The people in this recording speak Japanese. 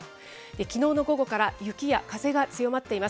きのうの午後から雪や風が強まっています。